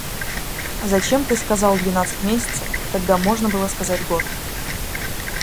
Зачем ты сказал двенадцать месяцев, когда можно было сказать год?